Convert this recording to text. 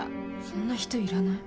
そんな人いらない。